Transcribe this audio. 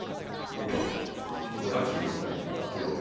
ガッキーが答えて。